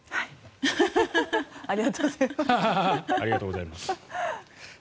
ありがとうございます。